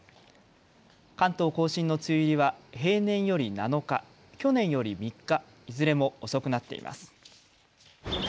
関東甲信の梅雨入りは平年より７日、去年より３日、いずれも遅くなっています。